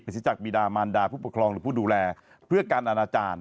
แผ่นศิษย์จากวีรามานดาผู้ปกรองหรือผู้ดูแลเพื่อการอนาจารย์